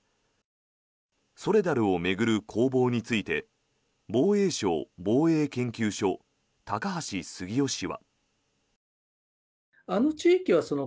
ソレダルを巡る攻防について防衛省防衛研究所高橋杉雄氏は。